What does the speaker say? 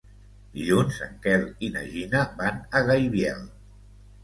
Dilluns en Quel i na Gina van a Gaibiel.